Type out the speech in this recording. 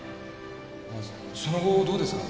あその後どうですか？